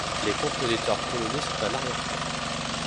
Les compositeurs polonais sont à l'arrière-plan.